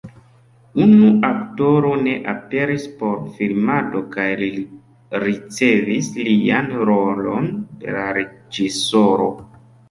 Unu aktoro ne aperis por filmado kaj li ricevis lian rolon de la reĝisoro.